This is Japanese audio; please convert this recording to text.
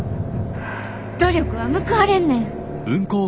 努力は報われんねん。